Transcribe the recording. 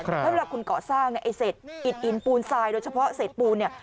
แล้วเวลาคุณก่อสร้างไอ้เสร็จอิดอินปูนทรายโดยเฉพาะเสร็จปูนเนี่ย